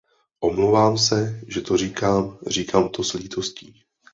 Omlouvám se, že to říkám, říkám to s lítostí.